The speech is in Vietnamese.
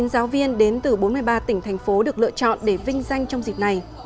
chín mươi giáo viên đến từ bốn mươi ba tỉnh thành phố được lựa chọn để vinh danh trong dịp này